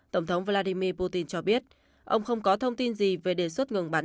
tổng thống vladimir putin cho biết ông không có thông tin gì về đề xuất ngừng bắn